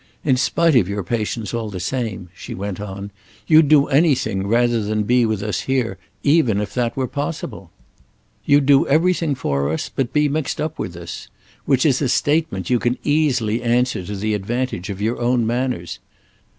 In spite of your patience, all the same," she went on, "you'd do anything rather than be with us here, even if that were possible. You'd do everything for us but be mixed up with us—which is a statement you can easily answer to the advantage of your own manners.